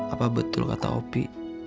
apa betul kata opi